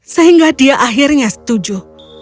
sehingga dia akhirnya setuju